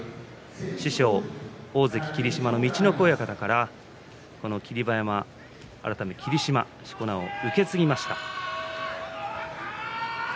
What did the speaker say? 師匠、大関霧島の陸奥親方から霧馬山改め霧島しこ名を受け継ぎました。